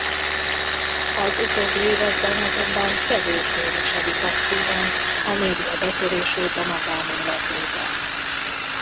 Az utóbbi években azonban kevésbé viseli passzívan a média betörését a magánéletébe.